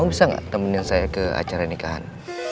kau bisa gak temenin saya ke acara nikahan